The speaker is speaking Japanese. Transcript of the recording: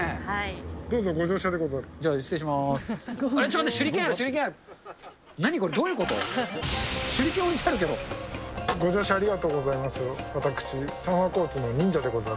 どうぞご乗車でござる。